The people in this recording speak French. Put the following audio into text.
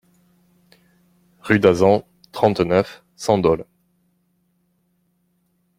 Rue d'Azans, trente-neuf, cent Dole